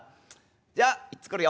じゃあ行っつくるよ」。